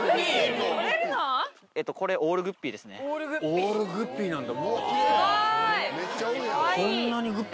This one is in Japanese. オールグッピーなんだ。